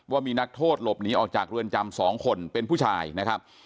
ว่ามีนักโทษหลบหนีออกจากเรือนจำ๒คนเป็นผู้ชายนะครับ